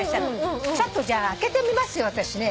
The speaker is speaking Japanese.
ちょっとじゃあ開けてみますよ私ね。